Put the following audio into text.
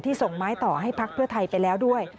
ส่งไม้ต่อให้พักเพื่อไทยไปแล้วด้วย